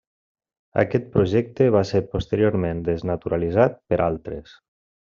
Aquest projecte va ser posteriorment desnaturalitzat per altres.